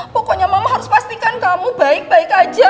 pokoknya mama harus pastikan kamu baik baik aja